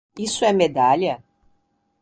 Isso é medalha?